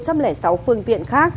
một trăm linh sáu phương tiện khác